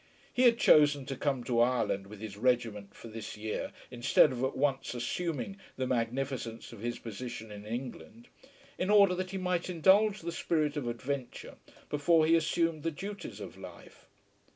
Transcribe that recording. He had chosen to come to Ireland with his regiment for this year instead of at once assuming the magnificence of his position in England, in order that he might indulge the spirit of adventure before he assumed the duties of life.